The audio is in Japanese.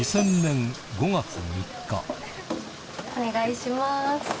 お願いします。